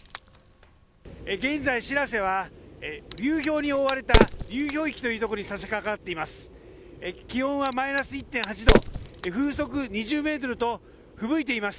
現在、しらせは流氷に覆われた流氷域という所にさしかかっています。